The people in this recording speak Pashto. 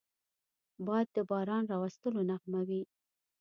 باد د باران راوستلو نغمه وي